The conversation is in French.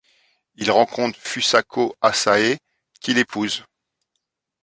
Il rencontre Fusako Hasae, qu'il épouse.